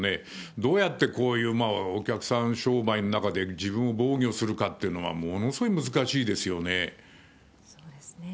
どうやってこういうお客さん商売の中で、自分を防御するかっていうのはものすごい難しいですよね。